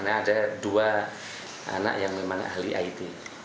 nah ada dua anak yang memang ahli it